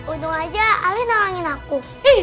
unduh aja alih nalangin aku